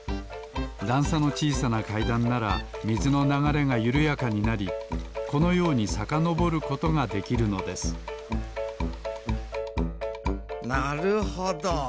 だんさのちいさなかいだんならみずのながれがゆるやかになりこのようにさかのぼることができるのですなるほど。